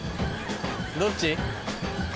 どっち？